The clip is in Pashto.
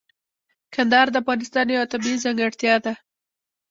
کندهار د افغانستان یوه طبیعي ځانګړتیا ده.